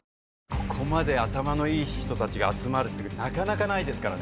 ここまで頭のいい人たちが集まるってなかなかないから。